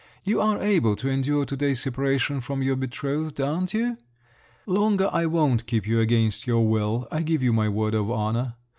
You are able to endure two days' separation from your betrothed, aren't you? Longer I won't keep you against your will—I give you my word of honour.